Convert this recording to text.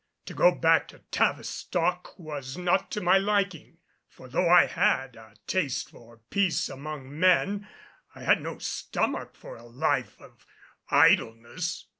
To go back to Tavistock was not to my liking; for though I had a taste for peace among men I had no stomach for a life of idleness.